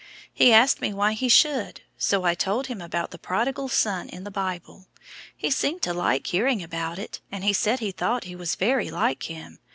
He asked me why he should, so I told him about the prodigal son in the Bible he seemed to like hearing about it, and he said he thought he was very like him.